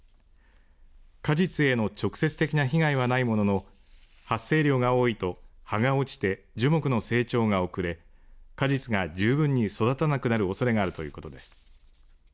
果実への直接的な被害はないものの発生量が多いと葉が落ちて樹木の成長が遅れ果実が十分に育たなくなるおそれがあるということです。